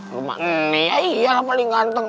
rumah nenek ya iya lah paling ganteng